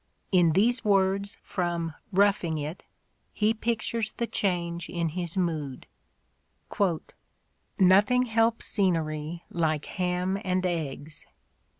In these words from "Roughing It," he pictures the change in his mood: "Nothing helps scenery like ham and eggs.